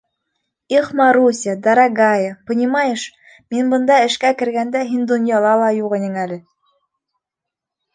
-Их Маруся, дорогая, понимаешь, мин бында эшкә кергәндә һин донъяла ла юҡ инең әле.